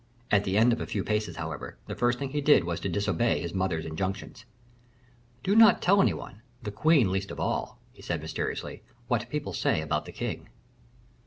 At the end of a few paces, however, the first thing he did was to disobey his mother's injunctions. "Do not tell any one, the queen least of all," he said mysteriously, "what people say about the king."